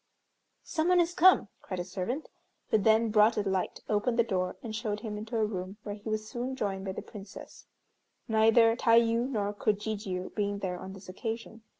"Some one is come," cried a servant, who then brought a light, opened the door, and showed him into a room where he was soon joined by the Princess, neither Tayû nor Kojijiû being there on this occasion.